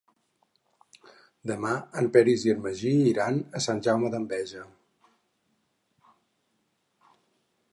Demà en Peris i en Magí iran a Sant Jaume d'Enveja.